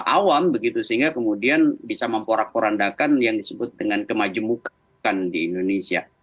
awam begitu sehingga kemudian bisa memporak porandakan yang disebut dengan kemajemukan di indonesia